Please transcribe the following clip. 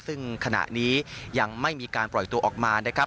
ซึ่งขณะนี้ยังไม่มีการปล่อยตัวออกมานะครับ